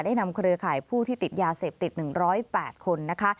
นำเครือข่ายผู้ที่ติดยาเสพติด๑๐๘คนนะคะ